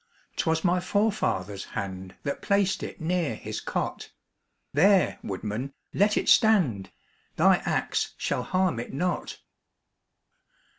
'Twas my forefather's hand That placed it near his cot; There, woodman, let it stand, Thy axe shall harm it not.